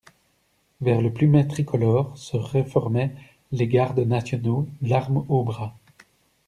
Vers le plumet tricolore se reformaient les gardes nationaux, l'arme au bras.